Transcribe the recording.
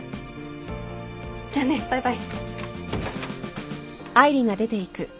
じゃあね。バイバイ。